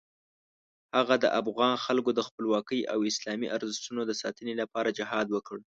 هغه د افغان خلکو د خپلواکۍ او اسلامي ارزښتونو د ساتنې لپاره جهاد وکړ.